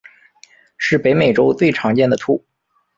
是北美洲最常见的兔。